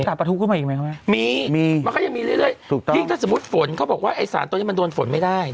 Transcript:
ต่างประทุกขึ้นมาอีกไหมครับมีมันก็จะมีเรื่อยถ้าสมมติฝนเขาบอกว่าไอ้สารตัวนี้มันโดนฝนไม่ได้